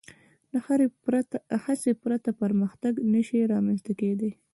له هڅې پرته پرمختګ نهشي رامنځ ته کېدی.